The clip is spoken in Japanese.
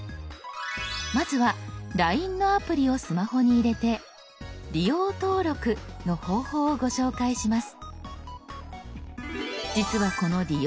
まずは「ＬＩＮＥ」のアプリをスマホに入れて「利用登録」の方法をご紹介します。